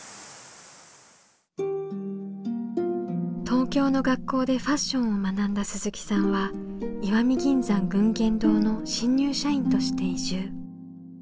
東京の学校でファッションを学んだ鈴木さんは石見銀山群言堂の新入社員として移住。